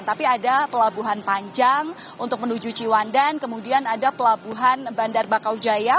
tapi ada pelabuhan panjang untuk menuju ciwandan kemudian ada pelabuhan bandar bakau jaya